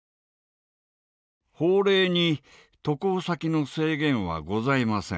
法令に渡航先の制限はございません。